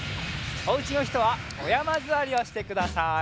おうちのひとはおやまずわりをしてください。